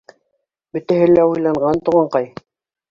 Бөтәһе лә уйланған, туғанҡай.